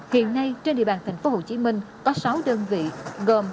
hiện nay trên địa bàn tp hcm có sáu đơn vị gồm